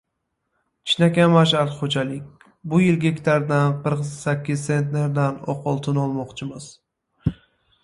Chinakam mash’al xo‘jalik. Bu yil gektaridan qirq sakkiz sentnerdan «oq oltin» olmoqchisiz.